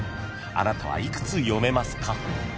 ［あなたは幾つ読めますか？］